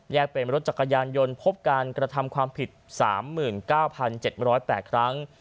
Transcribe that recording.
เป็นรถจักรยานยนต์พบการกระทำความผิด๓๙๗๐๘ครั้ง